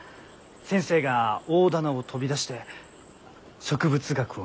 先生が大店を飛び出して植物学を目指されたこと。